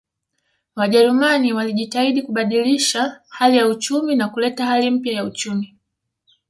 Wajerumani walijitahidi kubadilisha hali ya uchumi na kuleta hali mpya ya uchumi